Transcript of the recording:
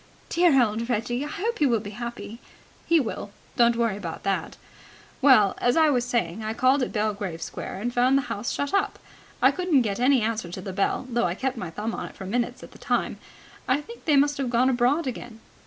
"Dear old Reggie! I hope he will be happy." "He will. Don't worry about that. Well, as I was saying, I called at Belgrave Square, and found the house shut up. I couldn't get any answer to the bell, though I kept my thumb on it for minutes at a time. I think they must have gone abroad again."